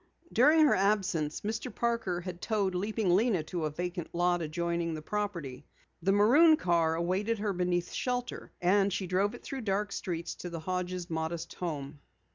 During her absence, Mr. Parker had towed Leaping Lena to a vacant lot adjoining the property. The maroon car awaited her beneath shelter, and she drove it through dark streets to the Hodges' modest home.